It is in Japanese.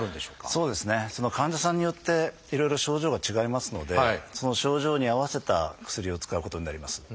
そうですねその患者さんによっていろいろ症状が違いますのでその症状に合わせた薬を使うことになります。